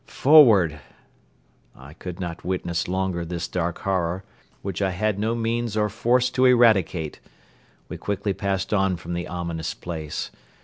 "Forward!" I could not witness longer this dark horror, which I had no means or force to eradicate. We quickly passed on from the ominous place.